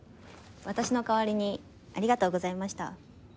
私の代わりにありがとうございました。